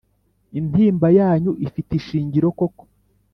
Intimba yanyu ifite ishingiro koko